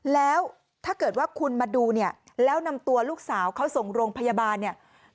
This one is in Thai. แล้วถ้าเกิดว่าคุณมาดูแล้วนำตัวลูกสาวเขาส่งลงพยาบาล